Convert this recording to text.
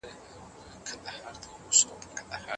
بل تل د اوبو لاندې ځمکي ته وايي.